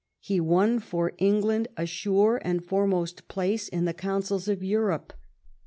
He won for England a sure and foremost place in the councils of Europe.